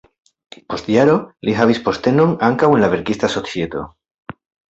Post jaroj li havis postenon ankaŭ en la verkista societo.